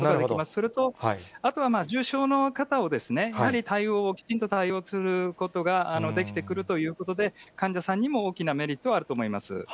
それと、あとは重症の方を対応をきちんと、対応することができてくるということで、患者さんにも大きなメリットはあると思います。